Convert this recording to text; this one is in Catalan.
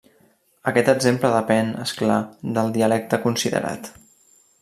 Aquest exemple depèn, és clar, del dialecte considerat.